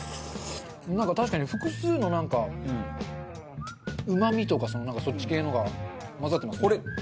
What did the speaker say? なんか、確かに、複数のなんかうまみとかそっち系のが混ざってますね。